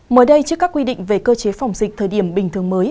mới đây trước các quy định về cơ chế phòng dịch thời điểm bình thường mới